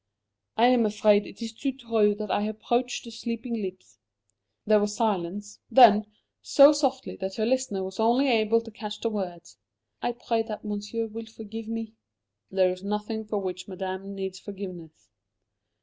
"I am afraid it is too true that I approached the sleeping lips." There was silence. Then, so softly that her listener was only able to catch the words: "I pray that Monsieur will forgive me." "There is nothing for which Madame needs forgiveness."